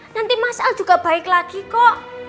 nanti mas al juga baik lagi kok